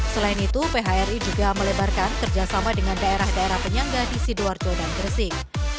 selain itu phri juga melebarkan kerjasama dengan daerah daerah penyangga di sidoarjo dan gresik